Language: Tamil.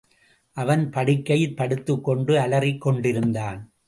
அவன் படுக்கையிற் படுத்துக் கொண்டு அலறிக் கொண்டிருந்தான்.